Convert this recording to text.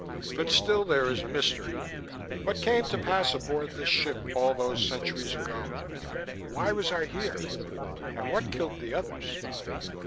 But still there is a mystery: What came to pass aboard this ship all those centuries ago? Why was I here? And what killed the others?"